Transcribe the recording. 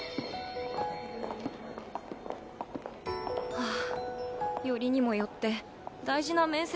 はあよりにもよって大事な面接の前なのに